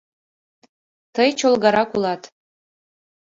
— Тый чолгарак улат.